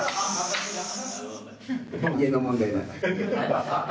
家の問題だから。